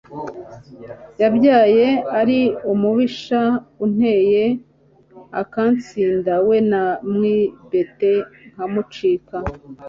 yabaye ari umubisha unteye akantsinda, we namwibeta nkamucika